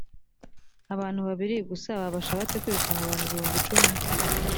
abantu babiri gusa babasha bate kwirukana abantu ibihumbi cumi?